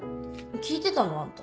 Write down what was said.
聞いてたの？あんた。